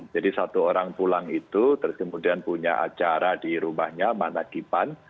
jadi satu orang pulang itu terus kemudian punya acara di rumahnya mana kipan